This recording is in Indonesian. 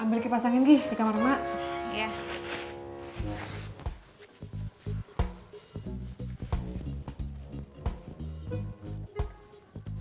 ambil lagi pasangin gi di kamar mak